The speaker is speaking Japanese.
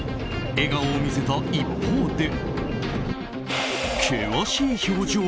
笑顔を見せた一方で険しい表情。